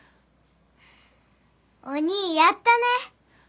おにぃやったね。